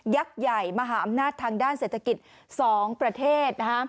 ใหญ่มหาอำนาจทางด้านเศรษฐกิจ๒ประเทศ